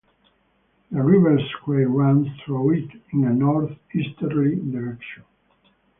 The River Cray runs through it in a north-easterly direction.